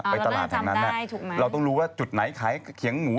ไปตลาดแถวนั้นเราต้องรู้ว่าจุดไหนขายเขียงหมู